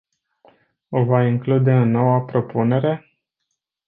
O va include în noua propunere?